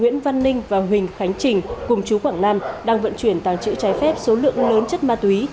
nguyễn văn ninh và huỳnh khánh trình cùng chú quảng nam đang vận chuyển tàng trữ trái phép số lượng lớn chất ma túy